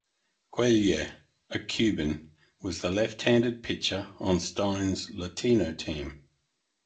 Cuellar, a Cuban, was the left-handed pitcher on Stein's Latino team.